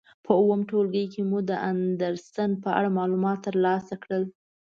په اووم ټولګي کې مو د اندرسن په اړه معلومات تر لاسه کړل.